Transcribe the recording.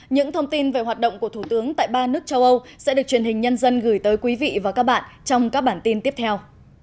những thông tin về hoạt động của thủ tướng tại ba nước châu âu sẽ được truyền hình nhân dân gửi tới quý vị và các bạn trong các bản tin tiếp theo